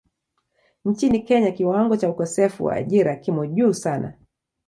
Nchini Kenya kiwango cha ukosefu wa ajira kimo juu sana.